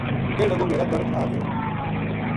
کہن لگو میرے درد آ گیو